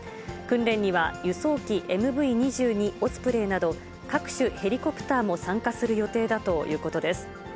訓練には輸送機ＭＶ２２オスプレイなど各種ヘリコプターも参加する予定だということです。